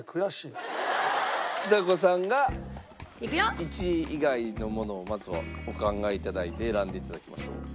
ちさ子さんが１位以外のものをまずはお考え頂いて選んで頂きましょう。